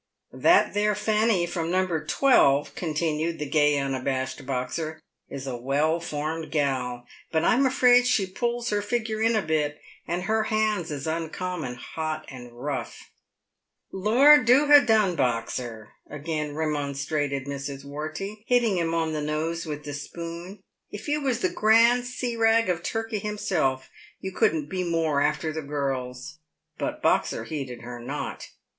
" That there Eanny, from ~No. 12," continued the gay unabashed Boxer, "is a well formed gal, but I'm afraid she pulls her figure in a bit, and her hands is uncommon hot and rough." " Lord, do ha' done, Boxer," again remonstrated Mrs. "Wortey, hitting him on the nose with the spoon. " If you was the Grand Serag of Turkey himself, you couldn't be more after the girls." But Boxer heeded her not.